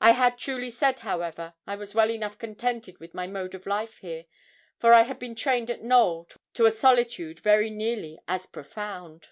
I had truly said, however, I was well enough contented with my mode of life here, for I had been trained at Knowl to a solitude very nearly as profound.